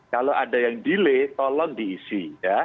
kalau ada yang delay tolong diisi